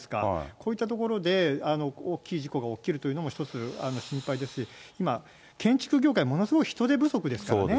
こういった所で大きい事故が起きるというのも１つ心配ですし、今、建築業界、ものすごい人手不足ですからね。